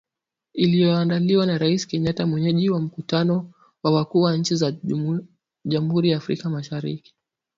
Iliyoandaliwa na Rais Kenyatta mwenyeji wa mkutano wa wakuu wa nchi za Jamhuri ya Afrika Mashariki.